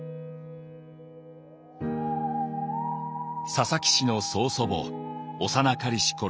「佐々木氏の曾祖母穉かりしころ